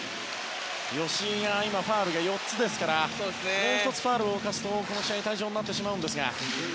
吉井は今、ファウルが４つですからもう１つファウルを犯すとこの試合退場になってしまうんですが。